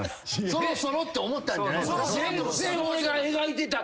そろそろって思ったんじゃないのかな。